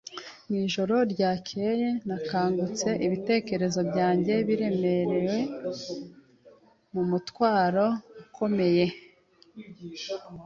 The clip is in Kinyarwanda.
Ijoro rikeye, nakangutse ibitekerezo byanjye biremerewe n’umutwaro ukomeye